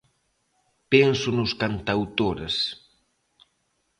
Penso nos cantautores...